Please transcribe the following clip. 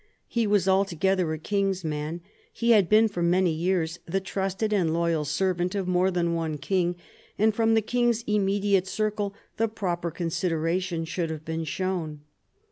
He was altogether a "king's man." He had been for many years the trusted and loyal servant of more than one king; and from the king's immediate circle the proper consideration should have been shown.